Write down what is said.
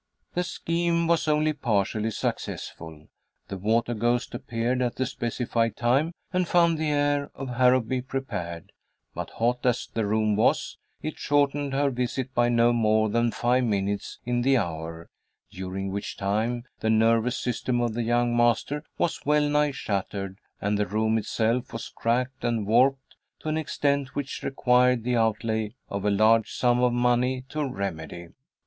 The scheme was only partially successful. The water ghost appeared at the specified time, and found the heir of Harrowby prepared; but hot as the room was, it shortened her visit by no more than five minutes in the hour, during which time the nervous system of the young master was wellnigh shattered, and the room itself was cracked and warped to an extent which required the outlay of a large sum of money to remedy.